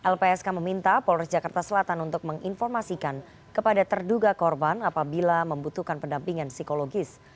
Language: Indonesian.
lpsk meminta polres jakarta selatan untuk menginformasikan kepada terduga korban apabila membutuhkan pendampingan psikologis